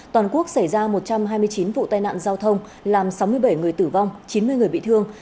toàn quốc xảy ra một trăm hai mươi chín vụ tai nạn giao thông làm sáu mươi bảy người tử vong chín mươi người bị thương